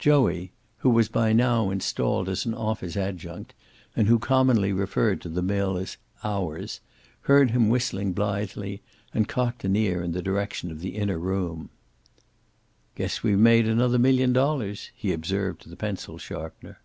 Joey, who was by now installed as an office adjunct, and who commonly referred to the mill as "ours," heard him whistling blithely and cocked an ear in the direction of the inner room. "Guess we've made another million dollars," he observed to the pencil sharpener.